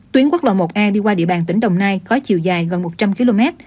tuyến quốc lộ một a đi qua địa bàn tỉnh đồng nai có chiều dài gần một trăm linh km